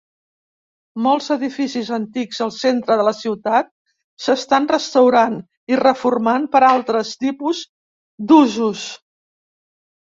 Molts edificis antics al centre de la ciutat s'estan restaurant i reformant per a altres tipus d'usos.